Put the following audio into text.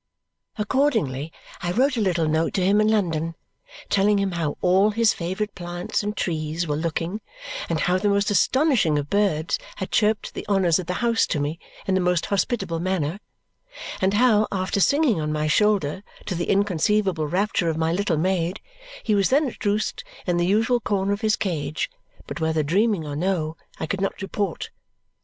Accordingly I wrote a little note to him in London, telling him how all his favourite plants and trees were looking, and how the most astonishing of birds had chirped the honours of the house to me in the most hospitable manner, and how, after singing on my shoulder, to the inconceivable rapture of my little maid, he was then at roost in the usual corner of his cage, but whether dreaming or no I could not report.